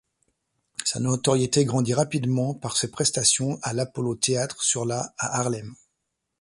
Sa notoriété grandit rapidement par ses prestations à l'Apollo theatre sur la à Harlem.